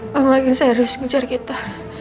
pemangkin saya harus mengejar kita